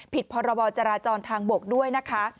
พรบจราจรทางบกด้วยนะคะ